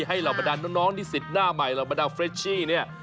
ให้หลับมาดันน้องนิสิตหน้าใหม่หลับมาดันเฟรชชี่นี่